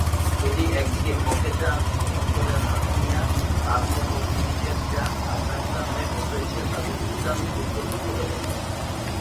এটি একদিকে ককেশাস অঞ্চলের আর্মেনিয়া, তারপর পশ্চিম এশিয়ার ইরান, আফগানিস্তান হয়ে মধ্য এশিয়ার তাজিকিস্তান পর্যন্ত চলে গেছে।